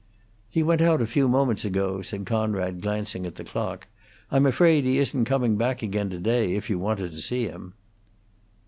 "He went out a few moments ago," said Conrad, glancing at the clock. "I'm afraid he isn't coming back again today, if you wanted to see him."